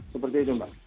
seperti itu mbak